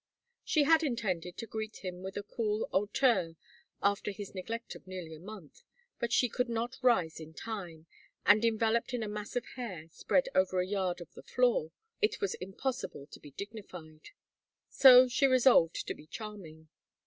She had intended to greet him with a cool hauteur after his neglect of nearly a month, but she could not rise in time; and, enveloped in a mass of hair, spread over a yard of the floor, it was impossible to be dignified. So she resolved to be charming.